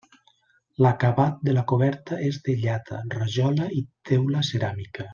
L'acabat de la coberta és de llata, rajola i teula ceràmica.